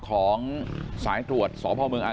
สุดท้ายเนี่ยขี่รถหน้าที่ก็ไม่ยอมหยุดนะฮะ